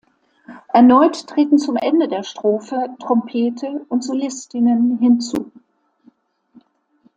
Erneut treten zum Ende der Strophe Trompete und Solistinnen hinzu.